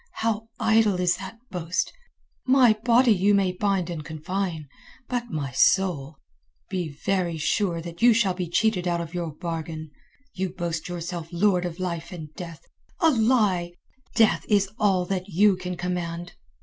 How idle is that boast. My body you may bind and confine; but my soul.... Be very sure that you shall be cheated of your bargain. You boast yourself lord of life and death. A lie! Death is all that you can command."